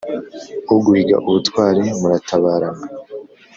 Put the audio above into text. uguhiga ubutwari muratabarana.